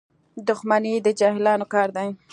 • دښمني د جاهلانو کار دی.